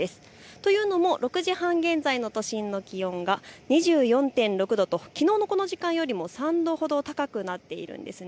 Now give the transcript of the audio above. というのも６時半現在の都心の気温が２４．６度ときのうのこの時間よりも３度ほど高くなっているんです。